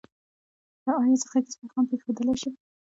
ایا زه غږیز پیغام پریښودلی شم؟